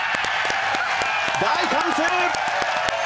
大歓声！